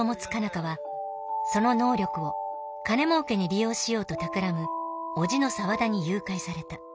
花はその能力を金もうけに利用しようとたくらむ叔父の沢田に誘拐された。